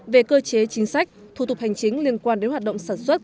về cơ chế chính sách thủ tục hành chính liên quan đến hoạt động sản xuất